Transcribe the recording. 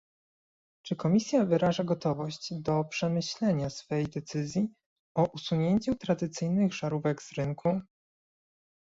Czy Komisja wyraża gotowość do przemyślenia swej decyzji o usunięciu tradycyjnych żarówek z rynku?